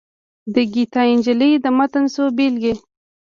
د ګیتا نجلي د متن څو بېلګې.